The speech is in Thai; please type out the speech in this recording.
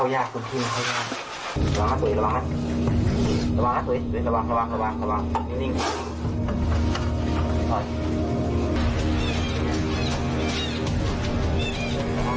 ระวังสุดยอดระวังสุดยอดขระวังระวังระวัง